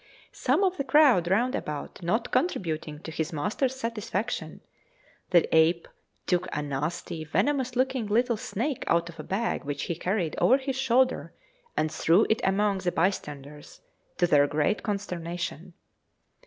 Some of the crowd round about not contributing to his master's satisfaction, the ape took a nasty venomous looking little snake out of a bag which he carried over his shoulder, and threw it among the bystanders, to their great consternation.